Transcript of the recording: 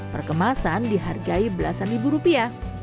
perkemasan dihargai belasan ribu rupiah